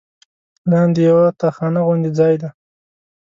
لاندې یوه تاخانه غوندې ځای دی.